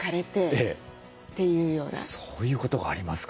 そういうことがありますか。